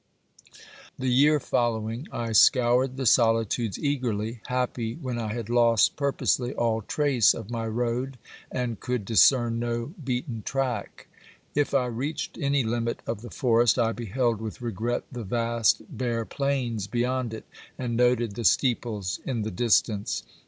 The year following I scoured the solitudes eagerly, happy when I had lost purposely all trace of my road and could discern no beaten track. If I reached any limit of the forest I beheld with regret the vast, bare plains beyond it, and noted the steeples in the distance.